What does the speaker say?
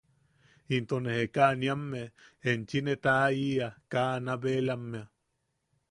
Into ne Jeka Aniamme enchi ne taʼaʼiʼa kaa Anabelammea.